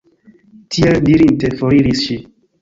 Tiel dirinte, foriris ŝi.